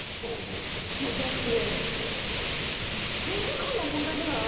いやだって。